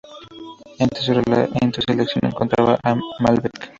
Entre su selección se encontraba el Malbec.